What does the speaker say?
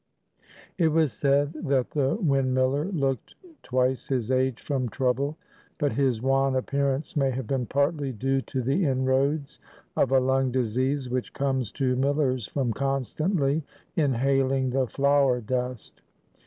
It was said that the windmiller looked twice his age from trouble. But his wan appearance may have been partly due to the inroads of a lung disease, which comes to millers from constantly inhaling the flour dust.